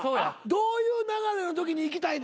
どういう流れのときにいきたい？